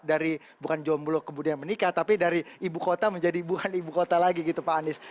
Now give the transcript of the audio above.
dari bukan jomblo kemudian menikah tapi dari ibu kota menjadi bukan ibu kota lagi gitu pak anies